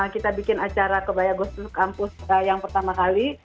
kita bikin acara kebaya goes to campus yang pertama kali